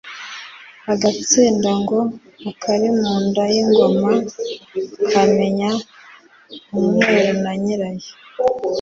Agatsinda ngo “Akari mu nda y'ingoma, kamenya umwiru na nyirayo”.